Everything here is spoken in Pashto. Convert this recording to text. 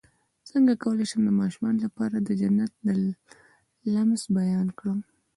څنګه کولی شم د ماشومانو لپاره د جنت د لمس بیان کړم